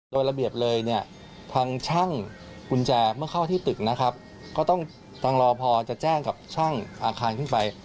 โดยระเบียบเลยเนี่ยทางช่างกุญแจเมื่อเข้าที่ตึกนะครับก็ต้องทางรอพอจะแจ้งกับช่างอาคารขึ้นไป